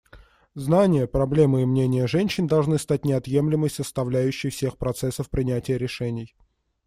Знания, проблемы и мнения женщин должны стать неотъемлемой составляющей всех процессов принятия решений.